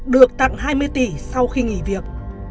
được tặng hai mươi tỷ sau khi nghỉ việc